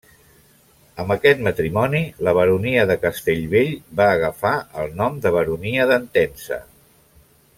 Amb aquest matrimoni la baronia de Castellvell va agafar el nom de baronia d'Entença.